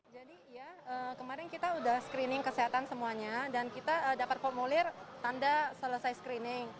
jadi ya kemarin kita sudah screening kesehatan semuanya dan kita dapat formulir tanda selesai screening